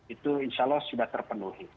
itu insya allah sudah terpenuhi